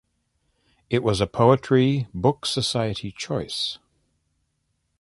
It was a Poetry Book Society Choice.